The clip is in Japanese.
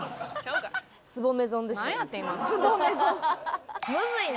すぼめ損でしたね。